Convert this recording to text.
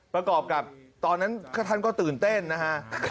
ประกอบกับตอนนั้นท่านก็ตื่นเต้นนะฮะ